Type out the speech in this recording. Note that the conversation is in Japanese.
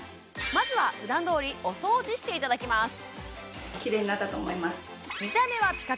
まずはふだんどおりお掃除していただきます